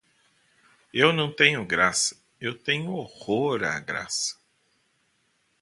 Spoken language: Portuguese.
Eu não tenho graça, eu tenho horror à graça.